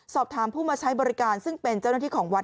สอบถามผู้มาใช้บริการซึ่งเป็นเจ้าหน้าที่ของวัด